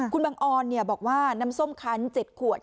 คุณบังออนบอกว่าน้ำส้มคัน๗ขวด